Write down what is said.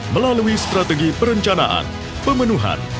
melalui strategi perencanaan pemenuhan